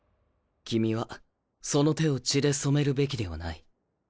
君はその手を血で染めるべきではない。